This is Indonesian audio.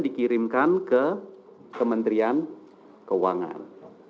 dikirimkan ke kementerian keuangan